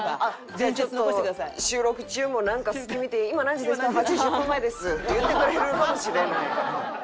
じゃあちょっと収録中もなんか隙見て「今何時ですか？」。「８時１０分前です」って言ってくれるかもしれない。